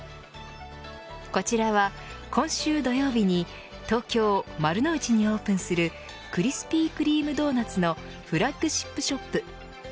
こちらは今週土曜日に東京、丸の内にオープンするクリスピー・クリーム・ドーナツのフラッグシップショップ。